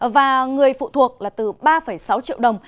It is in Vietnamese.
và người phụ thuộc là từ ba sáu triệu đồng